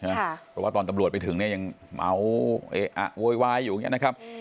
เพราะว่าตอนตำรวจไปถึงเนี่ยยังเมาเออะโวยวายอยู่อย่างนี้นะครับ